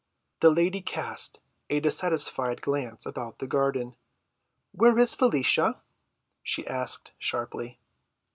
The lady cast a dissatisfied glance about the garden. "Where is Felicia?" she asked sharply.